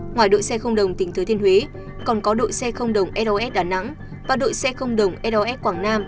ngoài đội xe không đồng tỉnh thứ thiên huế còn có đội xe không đồng los đà nẵng và đội xe không đồng los quảng nam